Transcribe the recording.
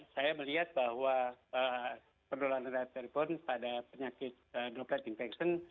saya melihat bahwa penduluan airboard pada penyakit global infection